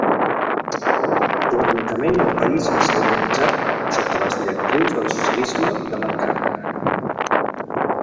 Econòmicament el país va ser organitzat sota les directrius del socialisme de mercat.